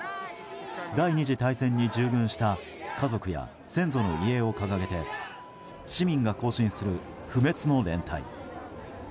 第２次大戦に従軍した家族や先祖の遺影を掲げて市民が行進する不滅の連隊。